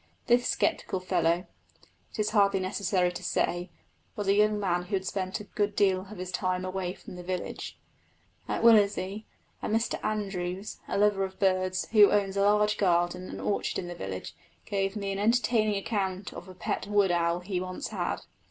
This sceptical fellow, it is hardly necessary to say, was a young man who had spent a good deal of his time away from the village. At Willersey, a Mr Andrews, a lover of birds who owns a large garden and orchard in the village, gave me an entertaining account of a pet wood owl he once had.